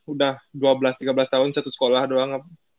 udah dua belas tiga belas tahun satu sekolah doang